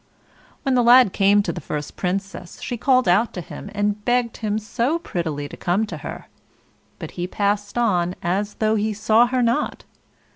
When the lad came to the first Princess, she called out to him, and begged him so prettily to come to her, but he passed on as though he saw her not.